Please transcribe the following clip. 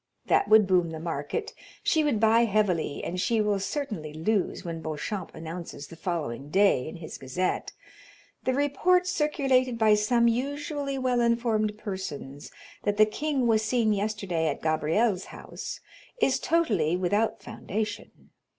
That would boom the market; she will buy heavily, and she will certainly lose when Beauchamp announces the following day, in his gazette, 'The report circulated by some usually well informed persons that the king was seen yesterday at Gabrielle's house, is totally without foundation.